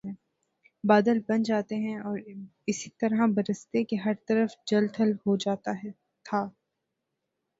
بادل بن جاتے اور اس طرح برستے کہ ہر طرف جل تھل ہو جاتا تھا